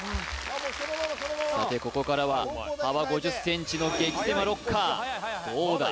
さてここからは幅５０ｃｍの激狭ロッカーどうだ？